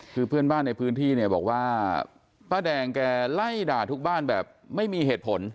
คือเพื่อนบ้านในพื้นที่เนี่ยบอกว่าป้าแดงแกไล่ด่าทุกบ้านแบบไม่มีเหตุผล